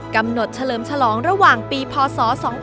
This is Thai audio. กำหนดเฉลิมฉลองระหว่างปีพศ๒๕๖๑๒๕๖๒